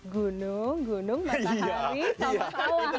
gunung gunung matahari sama salam